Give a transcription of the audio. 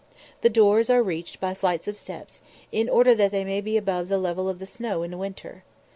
The doors are reached by flights of steps, in order that they may be above the level of the snow in winter.